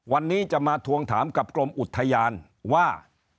วันนี้จะมาทวงถามกับกรมอุทยานว่า